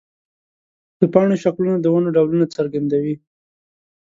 د پاڼو شکلونه د ونو ډولونه څرګندوي.